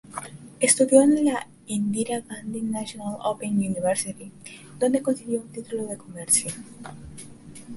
Estudió en la Indira Gandhi National Open University, donde consiguió un título de comercio.